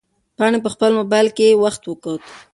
پاڼې په خپل موبایل کې وخت وکوت.